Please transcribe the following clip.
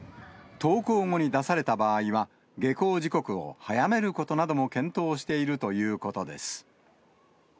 登校後に出された場合は、下校時刻を早めることなども検討しているということです。